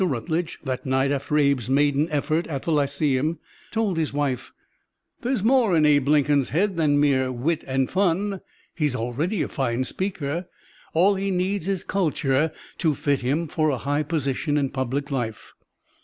Rutledge, that night after Abe's maiden effort at the lyceum, told his wife: "There is more in Abe Lincoln's head than mere wit and fun. He is already a fine speaker. All he needs is culture to fit him for a high position in public life."